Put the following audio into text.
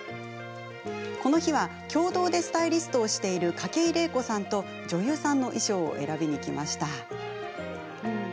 この日は共同でスタイリストをしている筧玲子さんと女優さんの衣装を選びにきました。